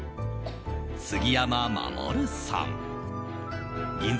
杉山衛さん。